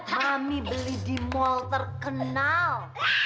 mami beli di mall terkenal